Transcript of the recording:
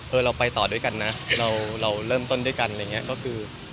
เราไปต่อด้วยกันนะเราเริ่มต้นด้วยกันอะไรอย่างนี้ก็คือ